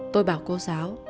tôi bảo cô giáo